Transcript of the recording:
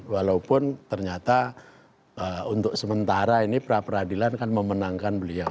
walaupun ternyata untuk sementara ini pra peradilan kan memenangkan beliau